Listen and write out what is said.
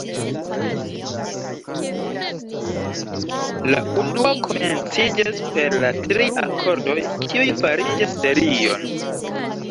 La unua komenciĝas per la tri akordoj kiuj fariĝas serion.